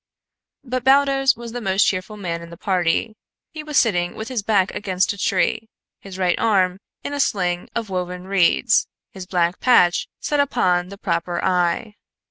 But Baldos was the most cheerful man in the party. He was sitting with his back against a tree, his right arm in a sling of woven reeds, his black patch set upon the proper eye.